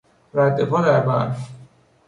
ردپا در برف